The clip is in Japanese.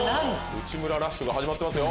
内村ラッシュが始まってますよ。